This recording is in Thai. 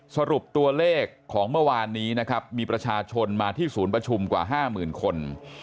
สรุปตัวเลขของเมื่อวานนี้นะครับมีประชาชนมาที่ศูนย์ประชุมกว่า๕๐๐๐คน